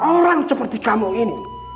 orang seperti kamu ini